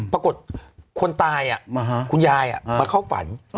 ปรากฏคนตายคุณยายมาเข้าฝัน